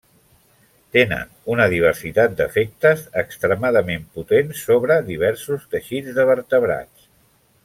Tenen una diversitat d’efectes extremadament potents sobre diversos teixits de vertebrats.